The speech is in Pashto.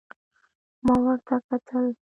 ما ورته کتل ،